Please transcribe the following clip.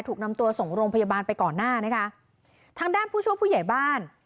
ถูกนำตัวส่งโรงพยาบาลไปก่อนหน้านะคะทางด้านผู้ช่วยผู้ใหญ่บ้าน